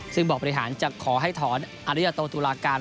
ซึ่งบ่อบริหารจะขอให้ถอนอริยาโตตุลาการ